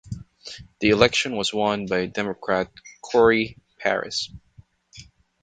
The election was won by Democrat Corey Paris.